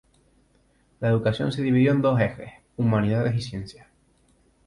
La educación se dividió en dos ejes: humanidades y ciencias.